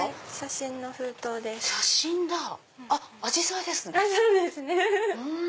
そうですね。